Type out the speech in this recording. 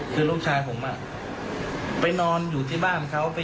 คือลูกชายผมไปนอนอยู่ที่บ้านเขา